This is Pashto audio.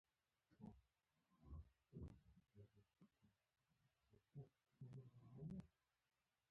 دا تضاد هغه وخت بازار ته په تلو څرګندېږي